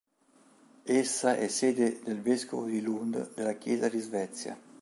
Essa è sede del vescovo di Lund della Chiesa di Svezia.